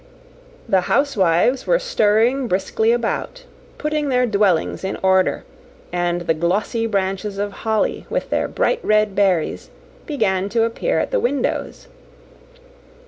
The housewives were stirring briskly about, putting their dwellings in order; and the glossy branches of holly, with their bright red berries, began to appear at the windows.